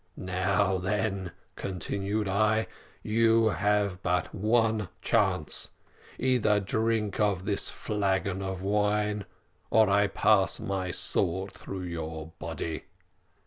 "`Now, then,' continued I, `you have but one chance either drink off this flagon of wine, or I pass my sword through your body.'